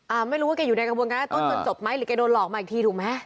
ไม่รู้ว่าแกอยู่ในกระบวนการต้นจนจบไหมหรือแกโดนหลอกมาอีกทีถูกไหม